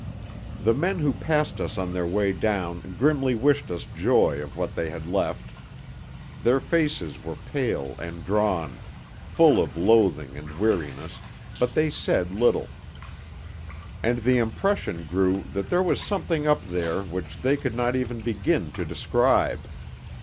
The men who passed us on their way down grimly wished us joy of what they had left; their faces were pale and drawn, full of loathing and weariness, but they said little; and the impression grew that there was something up there which they could not even begin to describe.